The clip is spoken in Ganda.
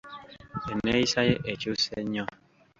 Enneeyisa ye ekyuse nnyo.